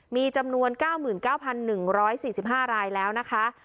มีจำนวน๙๙๑๔๕รายแล้วนะคะ